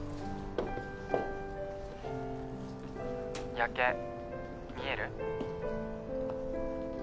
夜景見える？